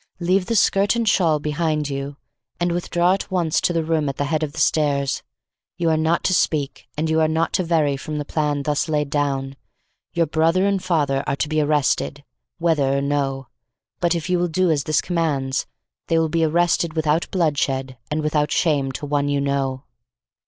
Leave the skirt and shawl behind you, and withdraw at once to the room at the head of the stairs. You are not to speak, and you are not to vary from the plan thus laid down. Your brother and father are to be arrested, whether or no; but if you will do as this commands, they will be arrested without bloodshed and without shame to one you know.